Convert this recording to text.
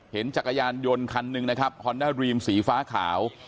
เห็นจักรยานยนต์คันนึงนะครับฮอร์นารีมสีฟ้าขาว